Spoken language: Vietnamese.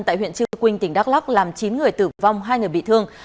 tại huyện trư quynh tỉnh đắk lắc làm chín người tử vong hai người bị thương